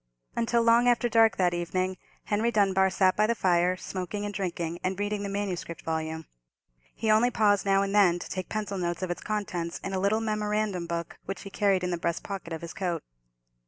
Until long after dark that evening, Henry Dunbar sat by the fire, smoking and drinking, and reading the manuscript volume. He only paused now and then to take pencil notes of its contents in a little memorandum book, which he carried in the breast pocket of his coat.